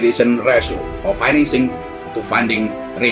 atau rasio finansial dan pendanaan